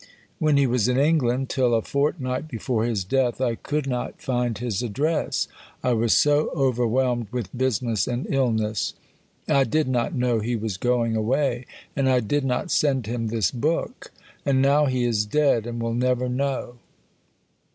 When he was in England (till a fortnight before his death) I could not find his address: I was so overwhelmed with business and illness. I did not know he was going away. And I did not send him this book. And now he is dead, and will never know.